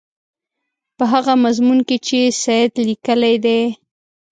په هغه مضمون کې چې سید لیکلی دی.